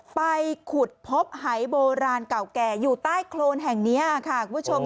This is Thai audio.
ไปขุดพบหายโบราณเก่าแก่อยู่ใต้โครนแห่งนี้ค่ะคุณผู้ชม